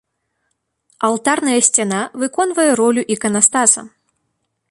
Алтарная сцяна выконвае ролю іканастаса.